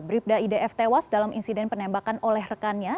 bribda idf tewas dalam insiden penembakan oleh rekan rekan